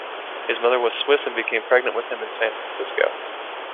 His mother was Swiss and became pregnant with him in San Francisco.